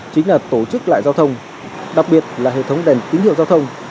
chính là tổ chức lại giao thông đặc biệt là hệ thống đèn tín hiệu giao thông